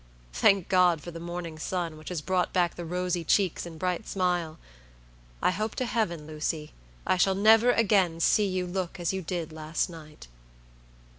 Thank God for the morning sun, which has brought back the rosy cheeks and bright smile! I hope to Heaven, Lucy, I shall never again see you look as you did last night."